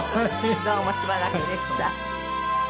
どうもしばらくでした。